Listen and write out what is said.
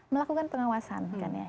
melakukan pengawasan kan ya